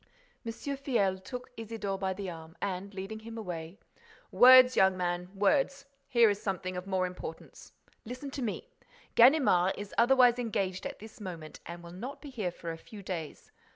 M. Filleul took Isidore by the arm and, leading him away: "Words, young man, words. Here is something of more importance. Listen to me. Ganimard is otherwise engaged at this moment and will not be here for a few days.